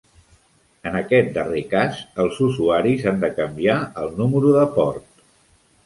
En aquest darrer cas, els usuaris han de canviar el número de port